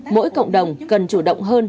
mỗi cộng đồng cần chủ động hơn